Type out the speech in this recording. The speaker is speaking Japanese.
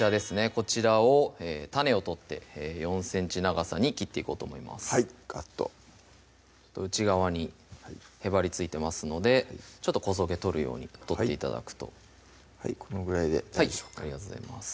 こちらを種を取って４ｃｍ長さに切っていこうと思いますガッと内側にへばりついてますのでちょっとこそげ取るように取って頂くとこのぐらいではいありがとうございます